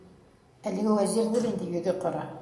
- Әлеге Вәзирҙер инде, йөҙө ҡара!